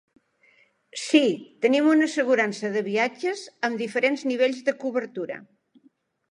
Si, tenim una assegurança de viatges amb diferents nivells de cobertura.